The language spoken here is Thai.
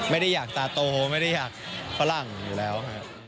ไม่ได้อยากตาโตไม่ได้อยากฝรั่งอยู่แล้วครับ